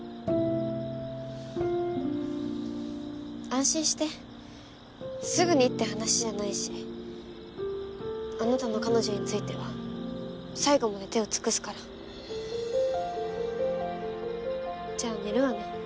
安心してすぐにって話じゃないしあなたの彼女については最後まで手を尽くすからじゃあ寝るわね